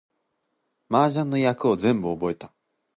麻雀の役を全部覚えた